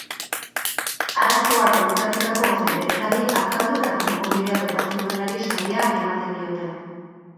Arazoak konektatutako jendetzari azaldu eta konponbidea topatzen duenari saria ematen diote.